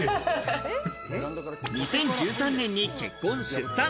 ２０１３年に結婚、出産。